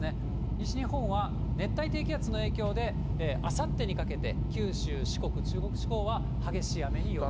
西日本は熱帯低気圧の影響であさってにかけて、九州、四国、中国地方は激しい雨に要注意。